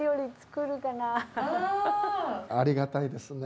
ありがたいですね。